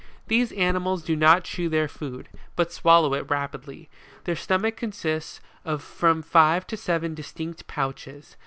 32, These animals do not chew their food, but swallow it rapidly. Their stomach consists of from five to seven distinct pouches.